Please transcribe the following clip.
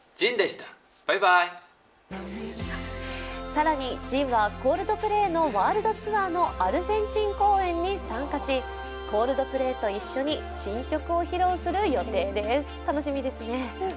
更に、ＪＩＮはＣｏｌｄｐｌａｙのワールドツアーのアルゼンチン公演に参加しＣｏｌｄｐｌａｙと一緒に新曲を披露する予定です、楽しみですね。